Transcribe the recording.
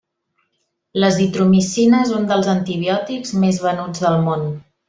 L'Azitromicina és un dels antibiòtics més venuts del món.